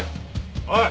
おい。